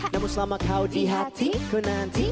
namun selama kau di hatiku nanti